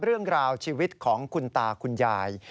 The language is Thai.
เรื่องราวชีวิตของคุณตาคุณยาย